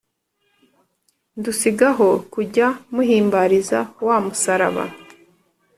ndusgaho kujya muhimbariza wa musaraba